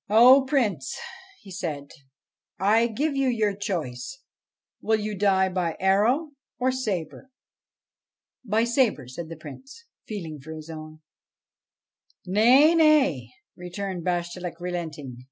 ' O Prince,' he said, ' I give you your choice : will you die by arrow or sabre ?'' By sabre,' said the Prince, feeling for his own. ' Nay, nay I ' returned Bashtchelik, relenting.